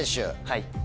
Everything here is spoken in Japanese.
はい。